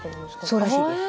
そうらしいです。